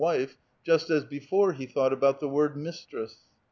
"wife," just as before he thought about the word " mis tress."